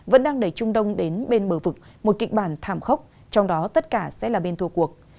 vẫn đang đẩy trung đông đến bên bờ vực một kịch bản thảm khốc trong đó tất cả sẽ là bên thua cuộc